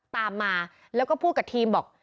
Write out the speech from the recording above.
ตามมาแล้วก็พูดกับทีมบอก